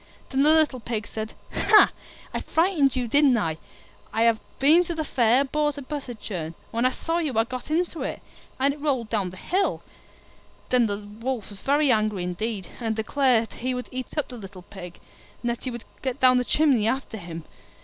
Then the little Pig said, "Hah! I frightened you, did I? I had been to the Fair and bought a butter churn, and when I saw you I got into it, and rolled down the hill." Then the Wolf was very angry indeed, and declared he would eat up the little Pig, and that he would get down the chimney after him.